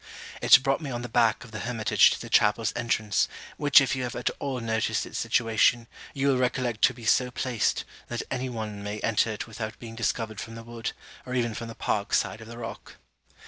It brought me on the back of the hermitage to the chapel's entrance, which if you have at all noticed its situation, you will recollect to be so placed, that any one may enter it without being discovered from the wood, or even from the park side of the rock.